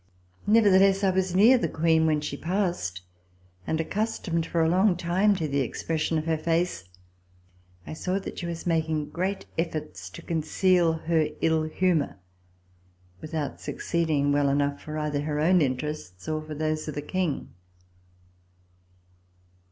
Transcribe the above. Nevertheless, I was near the Queen when she passed, and, accustomed for a long time to the expression of her face, I saw that she was making great efforts to conceal her ill humor, without succeeding well enough either for her own interests or for those of the King.